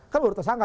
kan belum tersangka